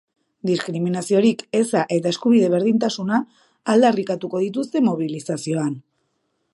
Diskriminaziorik eza eta eskubide berdintasuna aldarrikatuko dituzte mobilizazioan.